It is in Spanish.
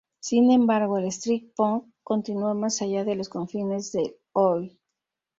Sin embargo, El street punk continuó más allá de los confines del Oi!